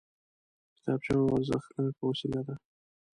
کتابچه یوه ارزښتناکه وسیله ده